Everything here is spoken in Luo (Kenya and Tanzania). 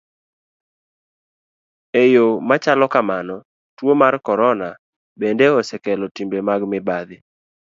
E yo machalo kamano, tuo mar corona bende osekelo timbe mag mibadhi.